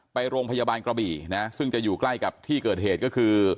ไปโรงพยาบาลกระบี่นะซึ่งจะอยู่ใกล้กับที่เกิดเหตุก็คือ